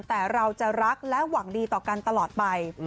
แต่เราจะรักและหวังดีต่อกันตลอดไป